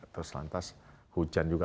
terus lantas hujan juga